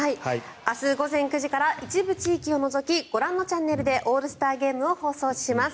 明日午前９時から一部地域を除きご覧のチャンネルでオールスターゲームを放送します。